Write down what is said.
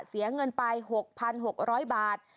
เสียเงินไป๖๖๐๐บาท